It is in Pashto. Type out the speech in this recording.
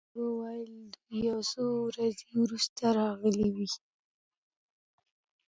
هيلې وویل دوی یو څو ورځې وروسته راغلې وې